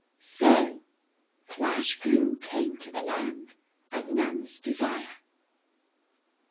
So Plash Goo came to the Land of None's Desire.